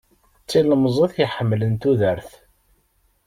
D tilemẓit iḥemmlen tudert.